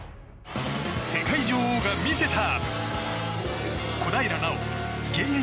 世界女王が見せた！